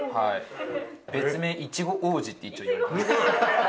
別名イチゴ王子って一応いわれて。